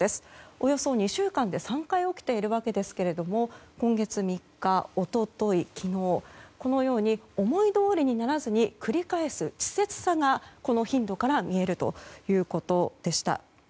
およそ２週間で３回起きているわけですけども今月３日、一昨日、昨日このように思いどおりにならずに繰り返す稚拙さがこの頻度から見えるということでした。